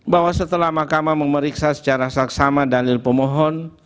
bahwa setelah mahkamah memeriksa secara saksama dalil pemohon